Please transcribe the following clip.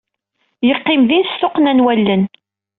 Yeqqim din s tuqqna n wallen.